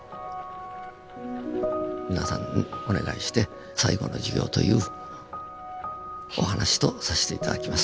皆さんにお願いして「最後の授業」というお話とさせて頂きます。